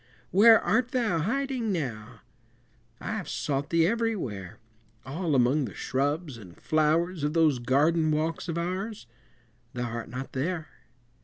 Where art thou hiding now? I have sought thee everywhere, All among the shrubs and flowers Of those garden walks of ours Thou art not there!